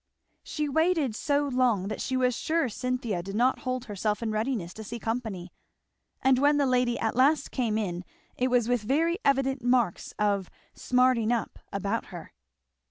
She waited so long that she was sure Cynthia did not hold herself in readiness to see company. And when the lady at last came in it was with very evident marks of "smarting up" about her.